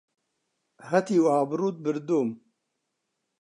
هەتیو ئابڕووت بردووم!